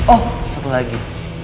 oh satu lagi